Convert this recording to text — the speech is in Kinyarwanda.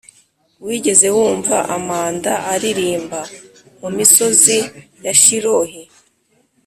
wigeze wumva amanda aririmba mumisozi ya shiloh